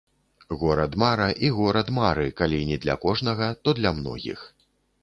Горад-мара і горад мары калі не для кожнага, то для многіх.